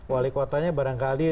wali kotanya barangkali